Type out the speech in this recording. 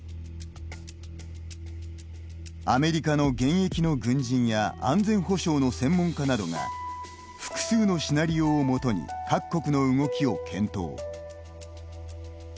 アメリカの現役の軍人や安全保障の専門家などが複数のシナリオをもとに各国の動きを検討。